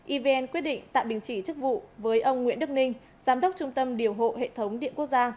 evn quyết định tạm đình chỉ chức vụ với ông nguyễn đức ninh giám đốc trung tâm điều hộ hệ thống điện quốc gia